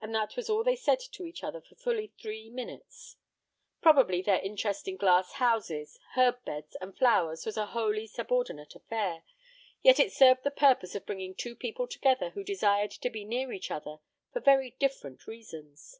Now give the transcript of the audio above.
And that was all they said to each other for fully three minutes. Probably their interest in glass houses, herb beds, and flowers was a wholly subordinate affair, yet it served the purpose of bringing two people together who desired to be near each other for very different reasons.